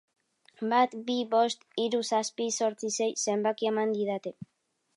Bat bi bost hiru zazpi zortzi sei zenbakia eman didate.